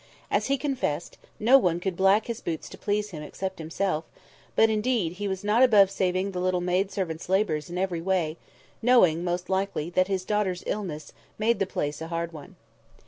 As he confessed, no one could black his boots to please him except himself; but, indeed, he was not above saving the little maid servant's labours in every way—knowing, most likely, that his daughter's illness made the place a hard one.